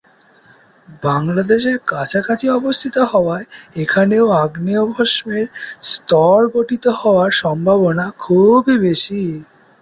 বাংলাদেশের কাছাকাছি অবস্থিত হওয়ায় এখানেও আগ্নেয়ভস্মের স্তর গঠিত হওয়ার সম্ভাবনা খুবই বেশি।